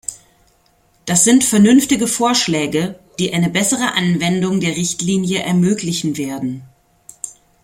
Das sind vernünftige Vorschläge, die eine bessere Anwendung der Richtlinie ermöglichen werden.